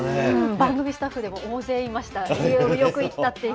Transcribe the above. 番組スタッフでも大勢いました。